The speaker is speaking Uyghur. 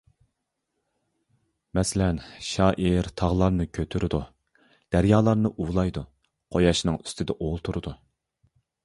مەسىلەن: شائىر تاغلارنى كۆتۈرىدۇ، دەريالارنى ئۇلايدۇ، قۇياشنىڭ ئۈستىدە ئولتۇرىدۇ.